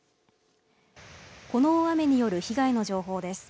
この大雨による被害の情報です。